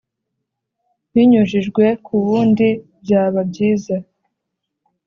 binyujijwe ku wundi byaba byiza